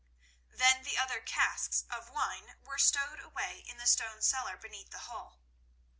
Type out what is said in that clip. Then the other casks of wine were stowed away in the stone cellar beneath the hall.